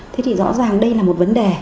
thế thì rõ ràng đây là một vấn đề